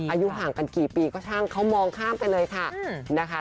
อายุห่างกันกี่ปีก็ช่างเขามองข้ามไปเลยค่ะนะคะ